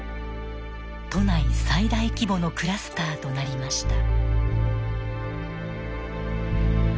都内最大規模のクラスターとなりました。